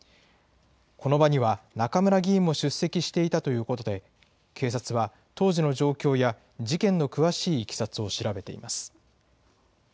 この場には中村議員も出席していたということで、警察は当時の状況や事件の詳しいいきさつを調べています。